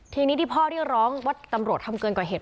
ทีนี้ที่พ่อเรียกร้องว่าตำรวจทำเกินกว่าเหตุ